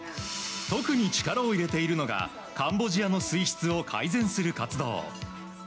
特に力を入れているのがカンボジアの水質を改善する活動。